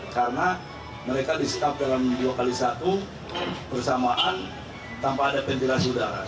karena mereka disetap dalam dua kali satu bersamaan tanpa ada pendirian udara